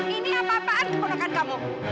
ini apa apaan keponakan kamu